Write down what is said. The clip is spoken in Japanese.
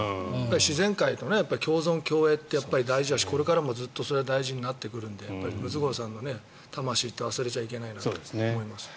自然界と共存共栄って大事だしこれからもずっとそれは大事になってくるのでムツゴロウさんの魂って忘れちゃいけないと思います。